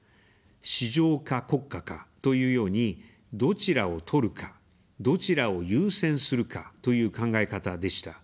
「市場か国家か」、というように、どちらを取るか、どちらを優先するか、という考え方でした。